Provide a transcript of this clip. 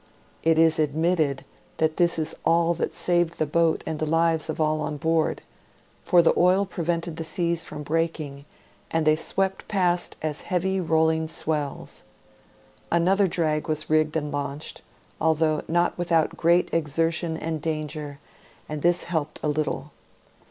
It is admitted that this is all that saved the boat and the lives of all on board, for the oil prevented the seas from breaking, and they swept past as heavy rolling swells. Another drag was rigged and launched, although not without great exertion and danger, and this helped a little.